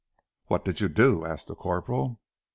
"What did you do?" asked the corporal.